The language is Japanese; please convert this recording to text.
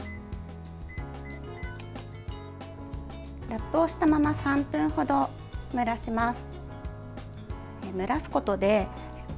ラップをしたまま３分ほど蒸らします。